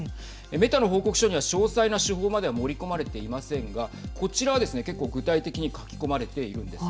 メタの報告書には詳細な手法まではまだ盛り込まれていませんがこちらはですね、結構、具体的に書き込まれているんです。